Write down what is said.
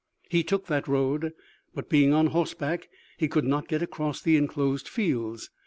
He took that road, but being on horseback, he could not get across the enclosed fields.